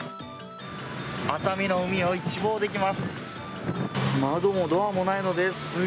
熱海の海を一望できます。